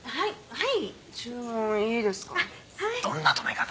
はい。